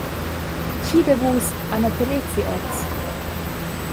Tgi da vus ha natalezi oz?